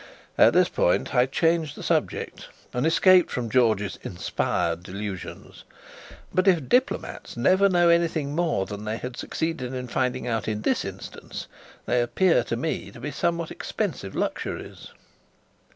At this point I changed the subject, and escaped from George's "inspired" delusions. But if diplomatists never know anything more than they had succeeded in finding out in this instance, they appear to me to be somewhat expensive luxuries.